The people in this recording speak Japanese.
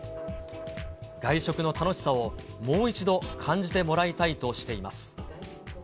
外食の楽しさをもう一度感じてもらいたいとしています。